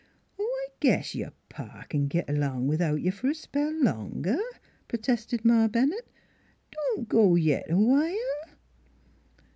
" Oh, I guess your pa c'n git along without you fer a spell longer," protested Ma Bennett. " Don't go yit awhile."